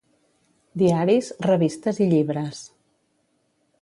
Diaris, revistes i llibres.